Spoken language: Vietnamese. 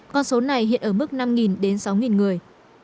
con số này hiện ở mức năm đến sáu người